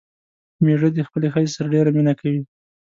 مېړه دې خپلې ښځې سره ډېره مينه کوي